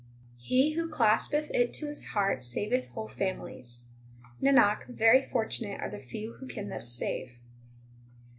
He who claspeth it to his heart saveth whole families. Nanak, very fortunate are the few who can thus save.